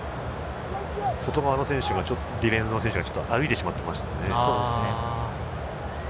外側のディフェンスの選手歩いてしまっていましたね。